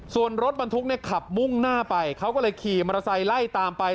ส่วนรถบรรทุกเนี่ยขับมุ่งหน้าไปเขาก็เลยขี่มอเตอร์ไซค์ไล่ตามไป